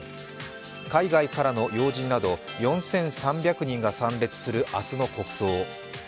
海外からの要人など４３００人が参列する明日の国葬。